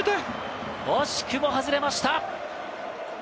惜しくも外れました。